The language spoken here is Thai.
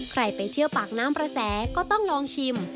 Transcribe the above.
ไปเที่ยวปากน้ำประแสก็ต้องลองชิม